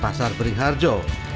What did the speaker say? pasar bering harjo